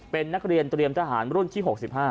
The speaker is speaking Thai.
เป็นนักเรียนเตรียมทหารรุ่นที่๖๕